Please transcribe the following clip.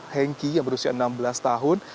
hengki yang berusia enam belas tahun